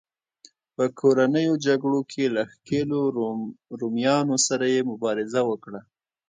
په کورنیو جګړو کې له ښکېلو رومیانو سره یې مبارزه وکړه.